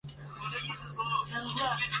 介子推割股的史实也存在争议。